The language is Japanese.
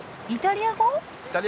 イタリア語？